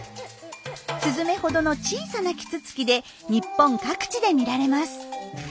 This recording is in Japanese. スズメほどの小さなキツツキで日本各地で見られます。